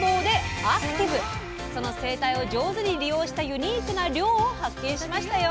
その生態を上手に利用したユニークな漁を発見しましたよ。